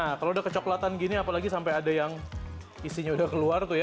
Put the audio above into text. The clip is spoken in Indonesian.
nah kalau udah kecelakaan seperti ini apalagi sampai ada yang isinya sudah keluar tuh ya